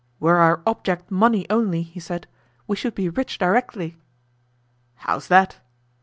"Were our object money only," he said, "we should be rich directly." "How's that?"